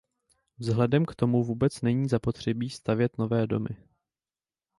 Vzhledem k tomu vůbec není zapotřebí stavět nové domy.